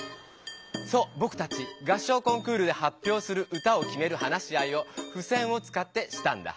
そうぼくたち合唱コンクールではっぴょうする歌をきめる話し合いをふせんをつかってしたんだ。